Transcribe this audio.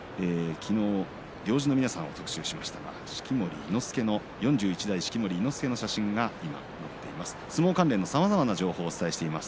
昨日行司の皆さんを特集しましたが４１代式守伊之助の写真が今、映っています。